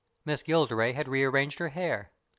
Miss Gilderay had rearranged her hair.